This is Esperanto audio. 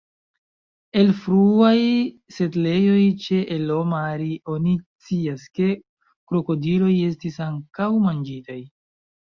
El fruaj setlejoj ĉe el-Omari oni scias, ke krokodiloj estis ankaŭ manĝitaj.